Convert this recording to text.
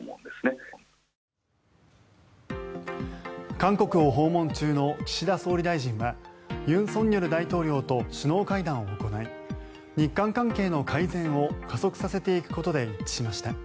韓国を訪問中の岸田総理大臣は尹錫悦大統領と首脳会談を行い日韓関係の改善を加速させていくことで一致しました。